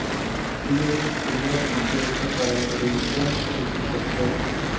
Ella hizo su primera película hecha para televisión, "Spectacular!